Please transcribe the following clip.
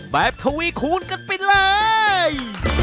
ทวีคูณกันไปเลย